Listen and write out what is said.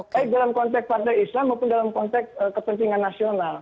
baik dalam konteks partai islam maupun dalam konteks kepentingan nasional